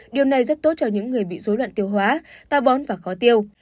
điều này rất tốt cho những người bị dối loạn tiêu hóa ta bón và khó tiêu